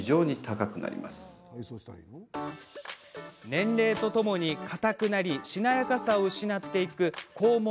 年齢とともに、硬くなりしなやかさを失っていく肛門